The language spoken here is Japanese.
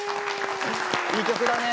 いい曲だね！